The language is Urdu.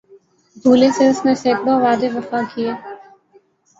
بھولے سے اس نے سیکڑوں وعدے وفا کیے